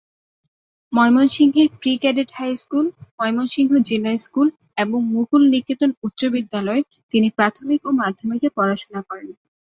ময়মনসিংহের pre cadet high school, Mymensingh জিলা school এবং মুকুল নিকেতন উচ্চ বিদ্যালয়ে তিনি প্রাথমিক ও মাধ্যমিকে পড়াশোনা করেন।